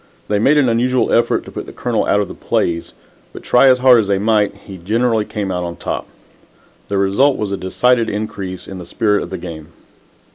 They made an unusual effort to put the Colonel out of the plays, but, try as hard as they might, he generally came out on top. The result was a decided increase in the spirit of the game.